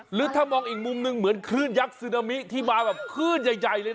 หรือถ้ามองอีกมุมหนึ่งเหมือนคลื่นยักษ์ซึนามิที่มาแบบคลื่นใหญ่เลยนะ